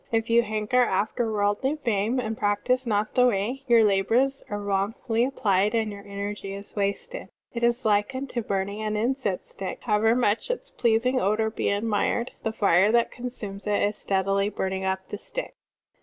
If you hanker after worldly fame and practise not the Way, your labors are wrongfully applied and your energy is wasted. It is like unto burning an incense stick. How ever much its pleasing odor be admired, the fire that consumes is steadily burning up the stick."